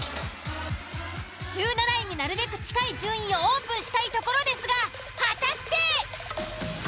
１７位になるべく近い順位をオープンしたいところですが果たして！？